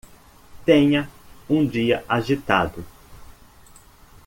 Tenha um dia agitado?